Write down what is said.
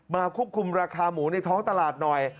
ควบคุมราคาหมูในท้องตลาดหน่อย